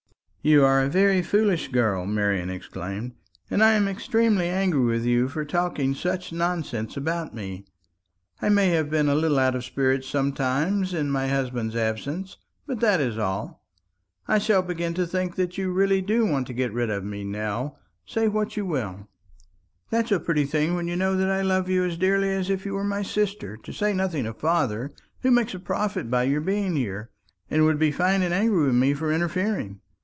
"You are a very foolish girl," Marian exclaimed; "and I am extremely angry with you for talking such utter nonsense about me. I may have been a little out of spirits sometimes in my husband's absence; but that is all. I shall begin to think that you really do want to get rid of me, Nell, say what you will." "That's a pretty thing, when you know that I love you as dearly as if you were my sister; to say nothing of father, who makes a profit by your being here, and would be fine and angry with me for interfering.